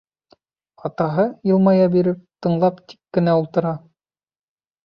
Атаһы, йылмая биреп, тыңлап тик кенә ултыра.